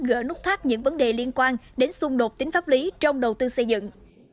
gỡ nút thắt những vấn đề liên quan đến xung đột tính pháp lý trong đầu tư xây dựng